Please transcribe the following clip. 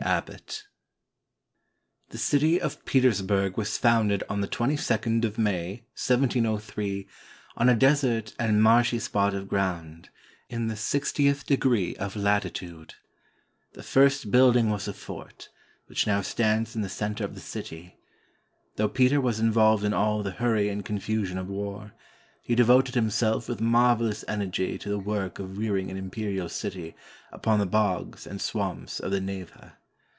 ABBOTT The city of Petersburg was founded on the 2 2d of May, 1703, on a desert and marshy spot of ground, in the six tieth degree of latitude. The first building was a fort, which now stands in the center of the city. Though Peter was involved in all the hurry and confusion of war, he devoted himself with marvelous energy to the work of rearing an imperial city upon the bogs and swamps of the Neva.